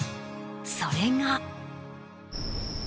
それが。